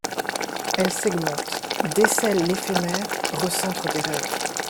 Elle segmente, décèle l’éphémère, recentre des rêves.